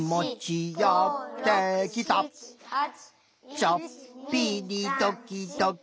「ちょっぴりどきどき」